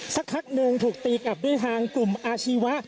สักพักหนึ่งถูกตีกลับด้วยทางกลุ่มอาชีวะ